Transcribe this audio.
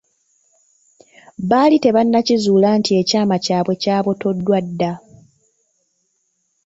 Baali tebannakizuula nti ekyama kyabwe kyabotoddwa dda.